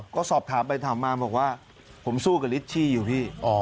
ก็สอบถามไปถามมาบอกว่าผมสู้กับลิชชี่อยู่พี่